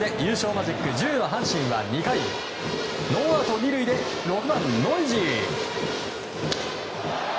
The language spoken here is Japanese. マジック１０の阪神は２回ノーアウト２塁で６番、ノイジー。